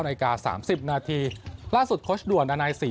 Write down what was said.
นายกาสามสิบนาทีล่าสุดโค้ชด่วนอันไหนสี่